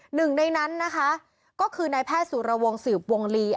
หนึ่งในนั้นนะคะก็คือนายแพทย์สุรวงสืบวงลี